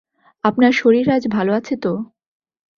আপনার শরীর আজ ভালো আছে তো?